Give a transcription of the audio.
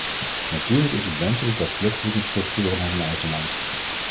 Natuurlijk is het wenselijk dat vluchtelingen terugkeren naar hun eigen land.